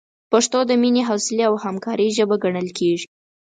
پښتو د مینې، حوصلې، او همکارۍ ژبه ګڼل کېږي.